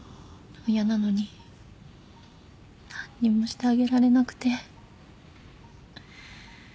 親なのに何にもしてあげられなくて。